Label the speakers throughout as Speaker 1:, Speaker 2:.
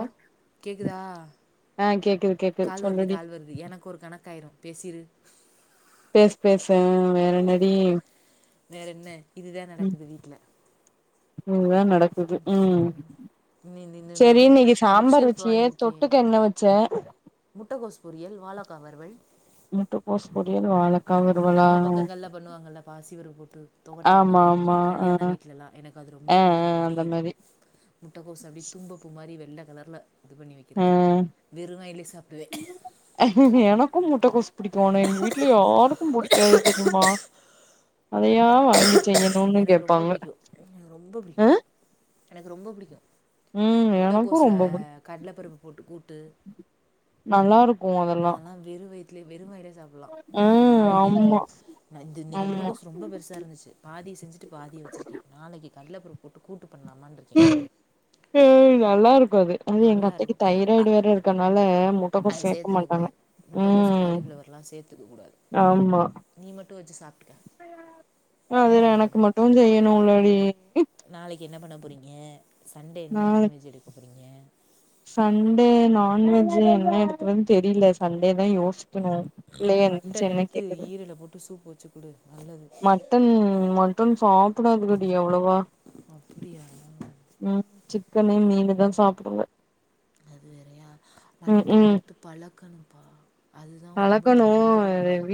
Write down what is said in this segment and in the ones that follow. Speaker 1: Hello கேக்குதா call வருது call வருது எனக்கு ஒரு கணக்காயிரு பேசிரு
Speaker 2: பேசு பேசு ஆ வேறென்னடி ம் இதுதா நடக்குது ம் செரி இன்னைக்கு சாம்பார் வெச்சியே தொட்டுக்க என்ன வெச்ச
Speaker 1: முட்டகோஸ் பொரியல் வாழக்கா வறுவல்
Speaker 2: முட்டக்கோஸ்
Speaker 1: ந நம்ம பக்கங்கள்ல பண்ணுவாங்கல்ல பாசிபருப் போட்டு தொவட்டல் மாரி கல்யாண வீட்லல்லா எனக்கு அது ரொம்ப புடிக்கு அப்டியே முட்டக்கோசு அப்டியே தும்பப்பூ மாரி வெ ள்ள கலர்ல
Speaker 2: ஆ எனக்கு முட்டை கோஸ் புடிக்கு ஆனா எங்க வீட்ல யாருக்கு புடிக்காது தெரிமா அதையா வாங்கி
Speaker 1: எனக்கு ரொம்ப பிடிக்கு எனக்கு ரொம்ப பிடிக்கு எனக் கு ரொம்ப பிடிக்கு முட்டைக்கோசுல கடலைப்பருப்பு போட்டு கூட்டு அதெல்லா வெறு வயித்லயே வெறு வாயிலயே சாப்படலா நாளைக்கு போறு இது இன்னைக்கு முட்டக்கோஸ் ரொம்ப பெருசா இருந்துச்சு பாதிய செஞ்சுட்டு பாதிய வெச்சிருக்கே நாளைக்கு கடலப்பருப் போட்டு கூட்டு மாரி
Speaker 2: ம் நல்லாருக்கு அது அது எங்க அத்தைக்கு தைராய்டு வேற இருக்கனால முட் டகோஸ் சேக்க மாட்டாங்க ம் ஆமா அது எனக்கு மட்டுஞ் செய்யணு இல்லடி
Speaker 1: என்ன பண்ண போறிங்க சண்டே என்ன நான்வெஜ் எடுக்க
Speaker 2: சண்டே நான்வெஜ்ஜு என்ன எடுக்கறன்னு தெரில சண்டேதா யோசி
Speaker 1: மட்டன் எடுத்து ஈரல போட்டு சூப்பு வெச்சு குடு நல்லது
Speaker 2: மட்டன் மட்டன் சாப்படாதுகடி அவ்ளோ
Speaker 1: அப்படியா
Speaker 2: உம் சிக்கனு மீன்தா சாப்பிடுங்க
Speaker 1: அது வேறையா மட்டன் கொடுத்து பழக்கணும்ப்பா அதுதா உடம்புக்கு நல்லதுங்கறாங்க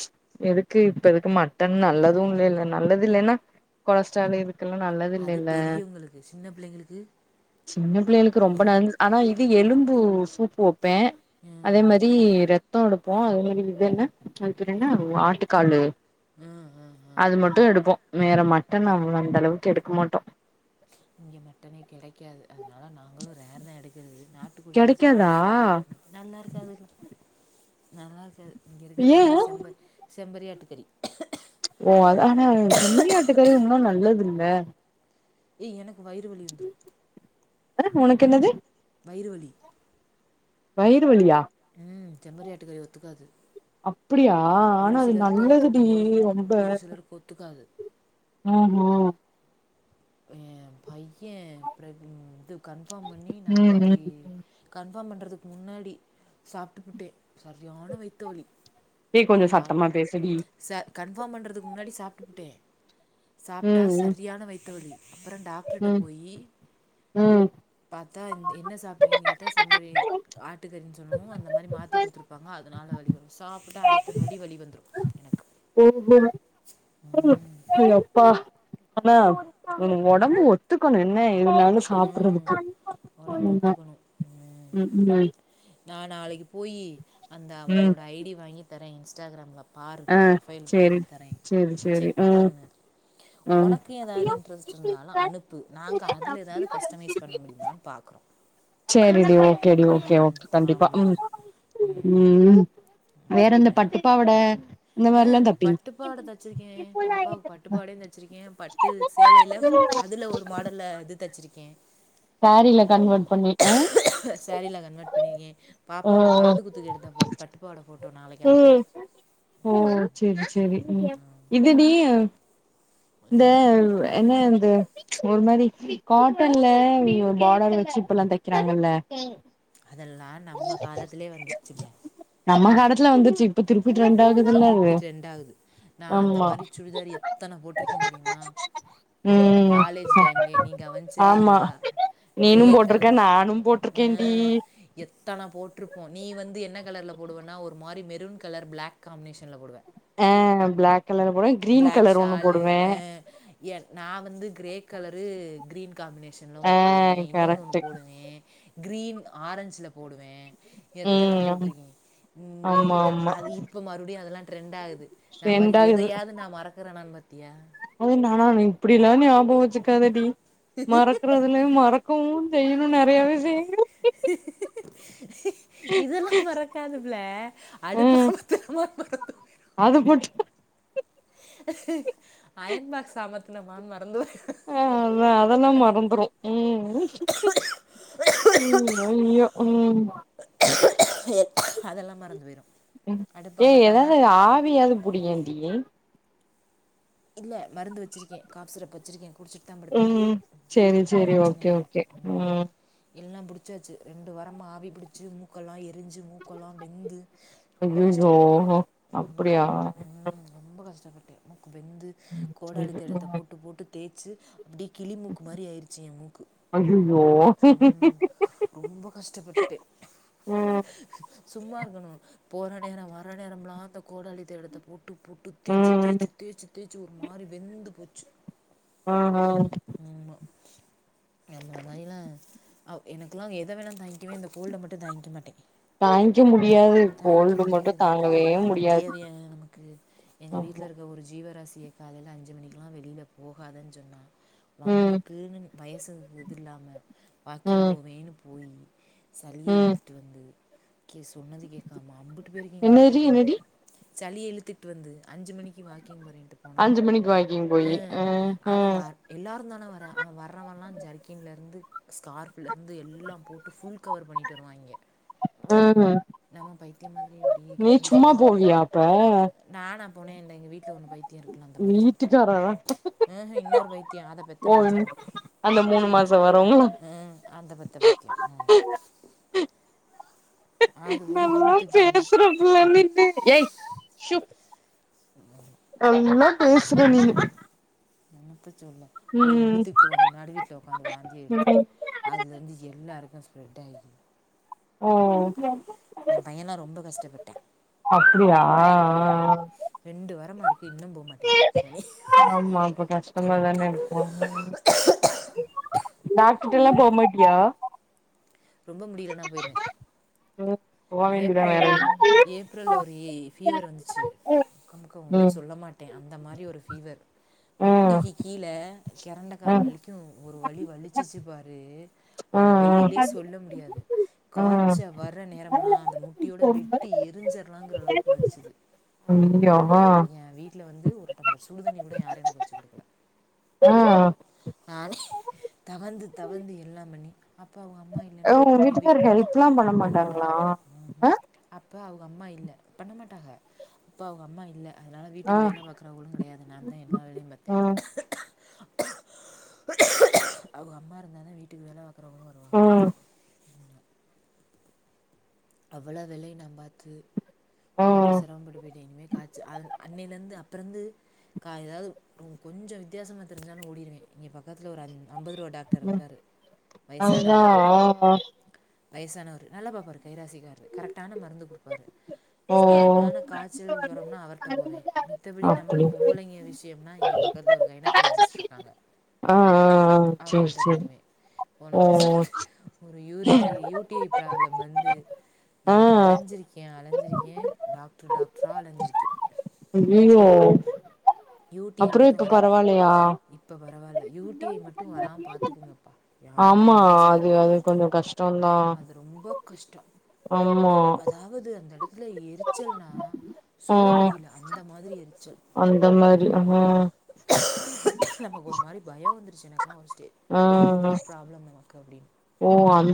Speaker 2: ச் எதுக்கு இப்ப இதுக்கு மட்டன் நல்லது இல்ல இல்ல நல்லது இல்லைன்னா கொலஸ்ட்ரால் இதுக்கெல்லா ல்ல சின்ன பிள்ளைகளுக்கு ரொம்ப ந ஆனா இது எலும் பு சூப்பு ப்பே அதே மாரி ர சுத்த எடுப்போ அது மாரி இது என்ன அதுக்குன ஆட்டுக்கால் அது மட்டு எடுப்போ வேற மாட் த நம வந்தளவுக்கு எடுக்க மாட்ட
Speaker 1: இங்கே மட்டனே கெடைக்காது அதனால நாங்களு ரேர் தா எடுக்கது நாட்டுக்கோழிதா சாப்பிடுவோ நல்லா இருக்காதுல்ல நல்லா இருக்காது இங்க இருக்கிறதுனா செம்ப செம்பரிய ஆட்டுக்கறி
Speaker 2: ஓ ஆனா செம்மறி ஆட்டுக்கறி இன்னு நல்லது அ
Speaker 1: ஏ எனக் வயிறு வலி வந்துரு
Speaker 2: ஆஹ் உனக்கு என்னது
Speaker 1: இருவலி
Speaker 2: வயிறுவலியா
Speaker 1: உம் செம்மறி ஆட்டுகறி ஒத்துக்காது ஒரு சிலருக்கு தா ஒத்துக்கு ஒரு ஒரு சிலருக்கு ஒத்துக்காது
Speaker 2: உஹ்ம் உம்
Speaker 1: ஏ பை ஏன் பிரக் இது கன்ஃபார்ம் பண்ணி நாப்பத்தி கன் கன்பார்ம் பண்றதுக்கு முன்னாடி சாப்ட்டுபுட்டே சரியான வைத்து வலி டாக் ச கன்பார்ம் பண்றதுக்கு முன்னாடி சாப் புட்டு சாப்ட்டா சரியான வைத்து வழி அப்பற டாக்டர்ட்ட போய் பாத்தா என்ன சாப்பிட்டீங்கன்னு கேட்டா செம்மறி ஆட்டுக்கறின்னு சொல்லவும் அந்த மாதிரி மாத்தி கொடுத்துருப்பாங்க அதனால வலி வ சாப்டா அடுத்த நொடி வலி வந்துரு
Speaker 2: [unintelligible] எப்பா ஆனா உ உடம்பு ஒத்துக்கணு என்ன எனாலு சாப்பிடறதுக்கு
Speaker 1: ஒடம்பு ஒத்துக்கணு உம் நா நாளைக்கு போயி அந்த அவுங்களோட ஐ டி வாங்கித் தரேன் இன்ஸ்டாகிராம்ல பாரு ப்ரொஃபைல் பண்ணி தரேன் செக் பண்ணு உனக்கு எதாது இன்ட்ரெஸ்ட் இருந்தாலு அனுப்பு நாங்க அதுல எதாது கஸ்டமைஸ் பண்ண முடியுமா பாக்குறோ
Speaker 2: செரி டி ஓ கேடி ஓகே ஓகே கண்டிப்பா உம் வேற அந்த பட்டுப்பாவாட
Speaker 1: ஆஹ் பட்டுப்பாவாட தைச்சிருக்கே பாப்பாவுக் பட்டுப்பாடையு தச்சிருக்கே பட்டு சேலையில அதுல ஒரு மாடல்ல இது தச்சிருக்கே
Speaker 2: சாரீல கன்வெர்ட் பண்ணி
Speaker 1: சேரீல கன்வெர்ட் பண்ணிருக்கே பாப்பாவோட காது குத்துக்கு எடுத்த ப பட்டுப்பாவோட ஃபோட்டோ நாளைக்கு அனுப்பறே உம்
Speaker 2: இது நீ இந்த என்ன து ஒரு மாதிரி காட்டன்ல பார்டர் வச்சு இப்பல்லா தெக்கறாங்கல்ல
Speaker 1: அதெல்லா நம்ம காலத்திலயே வந்துருச்சு ப்ல
Speaker 2: துல வந்துச்சு
Speaker 1: திருப்பி ட்ரெண்டு ஆகுது நா அந்த மாரி சுடிதார் எத்தன போட் போட்ருக்கே தெரியுமா காலேஜ் டைம்லயே நீ கவனிச்சதே இல்லையா கிரே கலர் அ எத்தன போட்ருப்போ நீ வந்து என்ன கலர்ல போடுவன்னா ஒரு மாரி மெரூன் கலர் பிளேக் காம்பினேஷன்ல போடுவ
Speaker 2: ஆஹ் ப்ளேக்
Speaker 1: பிளாக் ஷாலு ஹ என் நா வந்து கிரே கலரு கிரீன் காம்பினேஷன்ல ஒன்னு போடுவே இன்னொன்னு ஒன்னு போடுவே கிரீன் ஆரஞ்ச்ல போடுவே எத்தன போட்ருக்கீங்க ம் நீ நா அது இப்ப மறுடியு அதெல்லா ட்ரெண்ட் ஆகுது நா பாரு எதையாது மறக்கறனான்னு பாத்தியா
Speaker 2: அதும் நானா இப்டில்லா ஞாபகம் வச்சிக்காத டி மறக்கறதுலயே மறக்கவும் செய்ணு நெறையாவே செய்ணு
Speaker 1: இதெல்லா மறக்காது பில்ல அடுத்த [unintelligible] மறந்து [unintelligible] உஹ அயன் பாக்ஸ் சாமத் மான் மறந்து
Speaker 2: ம் அதா அதெல்லா மறந்துரும் ம் ம் ஐயோ ம் ஏ ஏதாவது ஆவியாவது புடியேன்டி
Speaker 1: இல்ல மருந்து வச்சிருக்கே காப் சிறப் வச்சிருக்கே
Speaker 2: ம் செரி செரி ஓகே ஓகே ம்
Speaker 1: எல்லா புடிச்சாச்சு ரெண்டு வாரமா ஆவி புடிச்சு மூக்கெல்லா எறி அரிஞ்சு மூக்கெல்லா வெந்து ரொம்ப கஷ்டப்பட்டே ஆமா ரொம்ப கஷ்டப்பட்டே வெந்து கோடாளி தைலத்த போட்டு போட்டுத் தேச்சு அப்படியே கிளி மூக்கு மாரி ஆயிருச்சி எ மூக்கு ம் ரொம்ப கஷ்டப்பட்டே சும்மா இருக்கணு போற நேரோ வர நேரம்லா அந்த கோடாளி தைலத்த போட் போட்டு போட்டு தேச்சி தேச்சி தேச்சி தேச்சி ஒரு மாரி வெந்து போச் ச்
Speaker 2: அஹா
Speaker 1: அந்த மாரிலா அவ எனக்குல்லா எத வேணா தாய்ங்கிவே இந்த கோல்ட மட்டு தாய்ங்க்க மாட்டே தாய்ங்க்க முடியாது இது தேவையா நமக்கு எங்க வீட்டுல இருக்க ஒரு ஜீவராசி டிய காலையில அஞ்சு மணிக்கெல்லா வெளியில போகாதன் சொன்னா வம்புக்குன்னு வயசு இதுல்லாம வாக்கிங் போவேன் போயி சலிய இழுத்துட்டு வந்து கே சொன்னது கேக்காம ஐம்புட்டு பேருக்கு எங்க வீட்ல கோல்டு சளி இழுத்துட்டு வந்து அஞ்சு மணிக்கு வாக் கிங் வரின்ட்டு போனா ம் அதா பார் எல்லாருந் தான வரா அவெ வர்ரவலா ஜர்க்கின்லருந்து ஸ்கார்ப்லருந்து எல்லா போட்டு ஃபுல் கவர் பண்ணிட்டு வருவாய்ங்க நம்ம பைத்திய மாதிரி அப்படியே கட்டண சேலையோட இருப் நானா போனேல்ல எங்க வீட் ஒன்னு பைத்திய இருக்குல அந்த பைத்தியம் இன்னொரு பைத் பத்தியோ அத பெத்த பைத்தியோ ம் அந்த பெத்த பைத்திய உ
Speaker 2: நல்லா பேசுறல புள்ள நீனு நல்லா பேசுற நீனு
Speaker 1: எந்த சு போய் இழுத்துக்கிட்டு வந்து நடுவீட்ல உக்காந்து வாந்திய எடுத்து அதுலருந்து எல்லாருக்கு ஸ்ப்ரெட் ஆகி
Speaker 2: ஓ
Speaker 1: என் பையன்ல்லா ரொம்ப கஷ்டப்பட்டா ம் ரெண்டு வாரமா இருக்
Speaker 2: ஆமா அப்ப கஷ்டமாதான இருக்கும்
Speaker 1: [inaudible]
Speaker 2: டாக்டர்ட்ட எல்லாம் போமாட்டியா
Speaker 1: ரொம்ப முடியலனா போயிருவேன் ஏப்ரல்ல ஒரு ஏப்ரல் ஒரு ஃபீவர் வந்துச்சு அக்கா ஒன்னும் சொல்ல மாட்டேன் அந்த மாரி ஒரு ஃபீவர் முட்டிக்கு கீழே கெரண்டக் கால் வலிக்கும் ஒரு வலி வலிச்சிச்சு பாரு அதை வெளியிலே சொல்ல முடியாது காய்ச வர வர்ர நேரம் லா அந்த முட்டியோட வெட்டி எரிஞ்சர்லாங்ற அளவுக்கு வலிச்சுது
Speaker 2: [unintelligible] ஆஹ்
Speaker 1: வீட்டுல வந்து ஒரு டம்ளர் சுடுதண்ணி கூட யாரும் எனக்கு வச்சு குடுக்கல
Speaker 2: ஆஹ்
Speaker 1: நானே தவந்து தவந்து எல்லாம் பண்ணி அப்ப அவுங்க அம்மா இல்லன்னு மேபி பண்ண மாட்டாரு அப்ப அவு இப்ப அம்மா இல்ல பண்ண மாட்டாங்க அப்ப அவுங்க அம்மா அதனால வீட்டுக்கு வேல பாக்குறவங்களு கெடயாது நான்தா எல்லா வேலயும் பாத்தே அவுக அம்மா இருந்தாதா வீட்டுக்கு வேல பாக்றவோ
Speaker 2: ம்
Speaker 1: அவ்வள வேலயு நான் பாத்து ரொம்ப செரமபட்டு போயிட்ட இனிமே காய்ச்ச அன் அன்னைல இந்து அ அப்பறிந்து கா எதாவது கொஞ்சோ வித்தியாசமா தெரிஞ்சாலு ஓடிடுவே இங்கே பக்கத்தில ஒரு அஞ் ஐம்பது ரூபா டாக்டர் இருக்காரு வயசானவரு வயசானவரு நல்ல பாப்பாரு கைராசிக்காரு கரெக்டான மருந்து குடுப்பாரு நார்மலான காய்ச்சல் ஜொரம்னா அவர்ட்ட போவே மித்தபடி நமக்கு பொம்பளங்க விஷயம்னா இங்க பக்கத்ல ஒரு கைனக்காலஜிஸ்ட் இருக்காங்க
Speaker 2: ஆ ஆ ஆ செரி செரி ஓ ஓ ச்
Speaker 1: urinary U T I problem வந்து நா அலஞ்சிருக்கே அலஞ்சிருக்கே டாக்டர் டாக்டரா அலஞ்சிருக்கே
Speaker 2: ஐய்யையோ
Speaker 1: யூ டி ஐ மட்டு வர இப்ப பரவால்ல யூ டி ஐ மட்டு வராம பாத்துக்கோங்க
Speaker 2: ஆமா அது அது கொஞ்சு கஷ்டோன்தா
Speaker 1: கஷ்டோ
Speaker 2: ஆமா
Speaker 1: இல்ல எரிச்சல்னா சொல்ல முடியல அந்த அந்த மாதிரி எரிச்ச
Speaker 2: அந்த மாரி ஆ
Speaker 1: நமக்கு ஒரு மாரி பய வந்துருச்சு எனக் [unintelligible] வேற ஏதோ ப்ராப்ளம் நமக்கு அப்டின்னு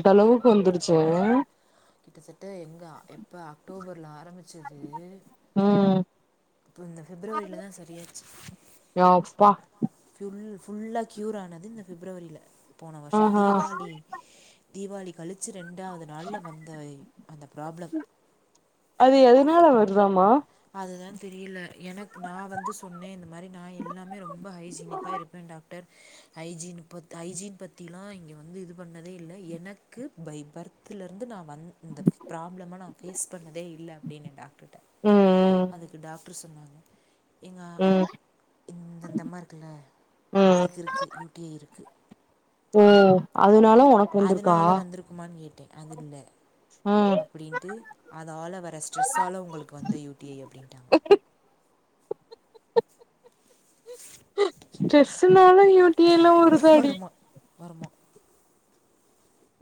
Speaker 2: ஹலோ [unintelligible] வந்துடுச்சு
Speaker 1: கிட்டத்தட்ட எங்கா எப்போ அக்டோபர்ல ஆரம்பிச் வச்சது இப்ப இந்த வெப்ரவரியில தா சரியாச்சி ஃபுல் ஃபுல்லா கியூர் ஆனது இந்த பிப்ரவரியில. போன வருஷோ தீபாளி தீபாளி கழிச்சி ரெண்டாவது நாள்ல வந்த அந்த ப்ராப்ளம்
Speaker 2: என்னல்லா வருதாமா?
Speaker 1: அதுதா தெரியில எனக்கு நா வந்து சொன்னே இந்த மாரி நா எல்லாமே ரொம்ப ஹைஜீனிக்காக இருப்பேன்ட டர் ஹைஜின் பத் ஹைய்ஜின் பத்தில்லா இங்க வந்து இது பண்ணதே இல்ல எனக்கு பய் பர்த்துல இருந்து நா வந் இந்த ப்ராப்ளமா நா ஃபேஸ் பண்ணதே இல்ல. அப்டின்னே டாக்டர்ட்ட அதுக்கு டாக்ட சொ [inaudible] ஏங்க இந்தந்தமா இருக்கல்ல அதுக்கு இருக்கு யூ டி ஐ இருக்கு
Speaker 2: ஓ அப் அதுனால ஒனக்கு வந்தருக்கா
Speaker 1: அதில்ல அப்டின்ட்டு அதால வர ஸ்ட்ரெஸ்சால உங்குளுக்கு வந்த யூ டி ஐ அப்டின்ட்டாங்க
Speaker 2: ட்ரெஸ்சுனால யூ கீழ ஊறுக்கா டீ
Speaker 1: வருமா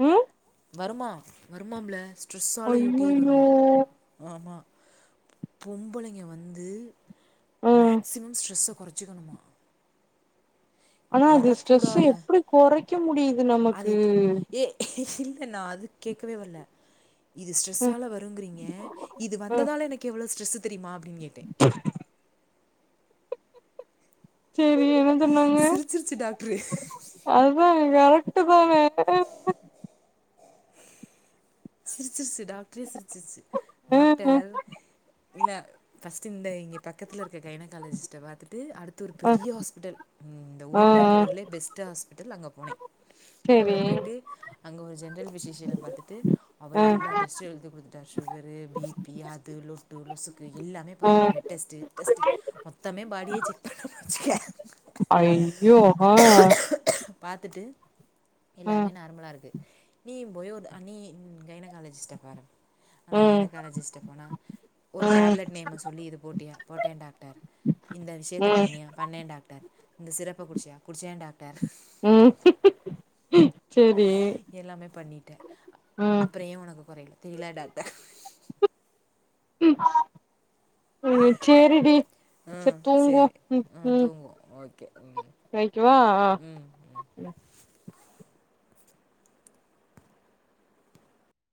Speaker 2: உம்
Speaker 1: வருமா வருமாம்ப்ல ஸ்ட்ரெஸ்சால யூ டி ஐ வருமா பொம்பளைங்க வந்து மேக்ஸிமும் ஸ்ட்ரெஸ் குறச்சிக்கணுமா
Speaker 2: ஆனா அது ஸ்ட்ரெஸ்ச எப்டி கொறைக்க முடிது நமக்கு
Speaker 1: ஏ நா அது கேட்கவே வர்ல இது ஸ்ட்ரெஸ்சால வருங்கிறீங்க இது வந்ததால எனக்கு எவ்ளோ ஸ்ட்ரெஸ் திரிமா டிங் கேட்டே
Speaker 2: சேரி சொன்னாங்க அதுதாங் கரெ [unintelligible]
Speaker 1: [unintelligible] டாக்ட்ரே சிரிச்சிச்சு டாக்டர் இல்ல ஃபஸ்ட்டு இந்த இங்க பக்கத்துல் இருக்க கைனக்காலஜிஸ்ட பாத்துட் ட்டு அடுத்து ஒரு பெரிய ஹாஸ்பிட்டல் இந்த ஊர்ல இருக்றதுலே பெஸ்ட் ஹாஸ் திரில் அங்கப் போனே அக்க பெய்ட்டு அங்க ஒரு ஜென்ரல் ஃபிசிஷியன பாத்துட்டு அவர் எல்லா டெஸ்ட்டு எழுதி குடுத்த ஷுகரு பிபி அது லொட்டு லோசுக்கு எல்லாமே பாரு பிளட் டெஸ்ட்டு டெஸ்டு மொத்தமே பாடியே செக் பண்ணம்னு வச்சுக்க
Speaker 2: அய்யோ அமா
Speaker 1: பாத்துட்டு எல்லாமே நார்மலா இருக்கு நீ [unintelligible] கைன காலஜிஸ்டப் பாருங்க அந்த கைனகாலஜிஸ்ட்ட போனா ஒரு டேப்லெட் நேம சொல்லி இது போட்டியா போட்டே டாக்டர் இந்த விஷயத்த பண்ணியா பண்ணே டாக்டர் இந்த சிரப குடிச்சியா குடிச்சே டாக்டர்
Speaker 2: [inaudible]
Speaker 1: எல்லாமே பண்ணிட்டே அப்பறோ ஏ ஒனக்கு கொறக்கனு நீலா டாக்டர்
Speaker 2: ம் ம் சேரிடி
Speaker 1: ஆ செரி ஆ தூங்குவோ ஓகே ம் ம் ம்